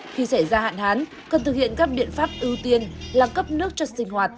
khi xảy ra hạn hán cần thực hiện các biện pháp ưu tiên là cấp nước cho sinh hoạt